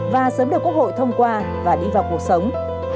và sớm được quốc hội thông qua và đi vào cuộc sống